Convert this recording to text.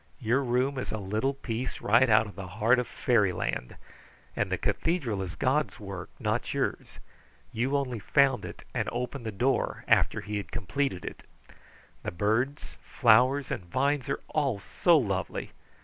Your room is a little piece right out of the heart of fairyland, and the cathedral is God's work, not yours. You only found it and opened the door after He had it completed. The birds, flowers, and vines are all so lovely.